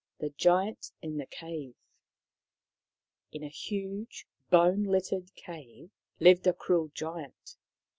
THE GIANT IN THE CAVE In a huge bone littered cave lived a cruel Giant.